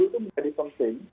itu menjadi penting